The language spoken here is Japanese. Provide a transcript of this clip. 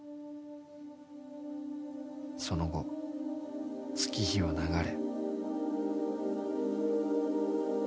［その後月日は流れ］